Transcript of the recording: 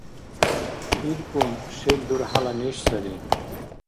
ИлкӀун шел дурхӀяла неш сари.